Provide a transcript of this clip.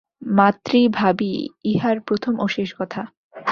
মাতৃভাবই ইহার প্রথম ও শেষ কথা।